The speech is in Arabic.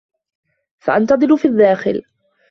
سأنتظر في الدّاخل.